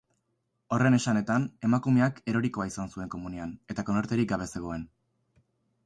Horren esanetan, emakumeak erorikoa izan zuen komunean, eta konorterik gabe zegoen.